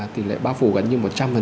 tỷ lệ bao phủ gần như một trăm linh